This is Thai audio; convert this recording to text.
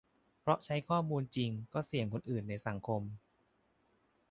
เพราะใช้ข้อมูลจริง ก็เสี่ยงคนอื่นในสังคม